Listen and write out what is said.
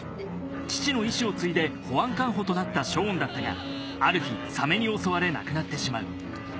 父の遺志を継いで保安官補となったショーンだったがある日サメに襲われ亡くなってしまう。